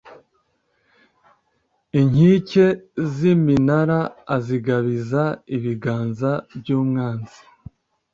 inkike z’iminara azigabiza ibiganza by’umwanzi;